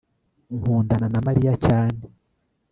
nkundana na mariya cyane